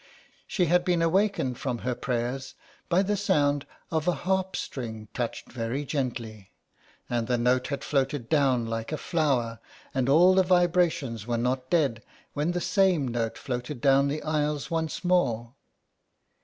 She had been awakened from her prayers by the sound of a harp string touched very gently ; and the note had floated down like a flower, and all the vibrations were not dead when the same note floated down the aisles once more.